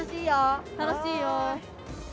楽しいよ。